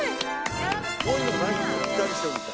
そういうのないんですか？